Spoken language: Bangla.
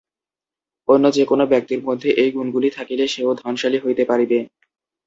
অন্য যে-কোন ব্যক্তির মধ্যে এই গুণগুলি থাকিলে সেও ধনশালী হইতে পারিবে।